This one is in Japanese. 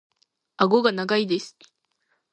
顎が長いです。